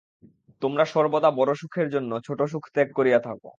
তোমরা সর্বদা বড় সুখের জন্য ছোট সুখ ত্যাগ করিয়া থাক।